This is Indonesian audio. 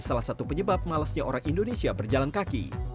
salah satu penyebab malasnya orang indonesia berjalan kaki